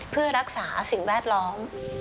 เพื่อรักษาสิ่งแวดล้อม